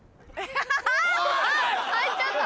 入っちゃった。